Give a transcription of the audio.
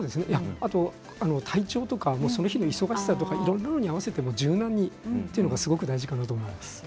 あとは体調とかその日の忙しさとかいろいろなことに合わせて柔軟にということが大事だと思います。